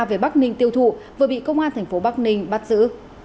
về bắc ninh tiêu thụ vừa bị công an thành phố bắc ninh bắt giữ